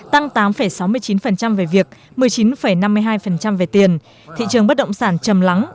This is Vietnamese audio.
tăng tám sáu mươi chín về việc một mươi chín năm mươi hai về tiền thị trường bất động sản chầm lắng